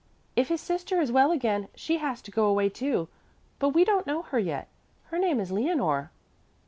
If his sister is well again, she has to go away, too. But we don't know her yet. Her name is Leonore."